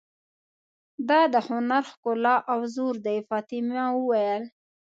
دا د هنر ښکلا او زور دی، فاطمه وویل.